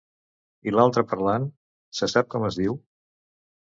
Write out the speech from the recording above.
I l'altre parlant, se sap com es diu?